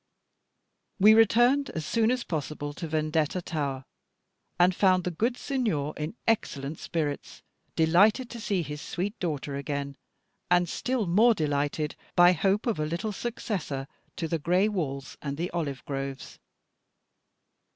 We returned as soon as possible to Vendetta tower, and found the good Signor in excellent spirits, delighted to see his sweet daughter again, and still more delighted by hope of a little successor to the gray walls and the olive groves.